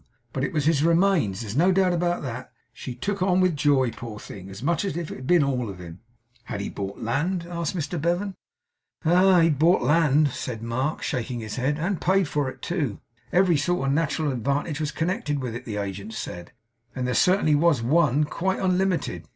But it was his remains, there's no doubt about that. She took on with joy, poor thing, as much as if it had been all of him!' 'Had he bought land?' asked Mr Bevan. 'Ah! He'd bought land,' said Mark, shaking his head, 'and paid for it too. Every sort of nateral advantage was connected with it, the agents said; and there certainly was ONE, quite unlimited.